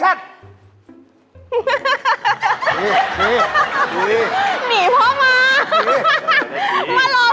หนีเผามา